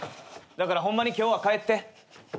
だからホンマに今日は帰って。